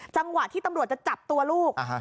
จังหวะที่ตำรวจจะจับตัวลูก